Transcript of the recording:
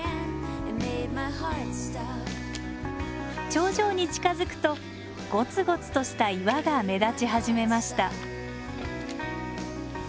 頂上に近づくとゴツゴツとした岩が目立ち始めました。